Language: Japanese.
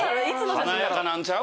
華やかなんちゃう？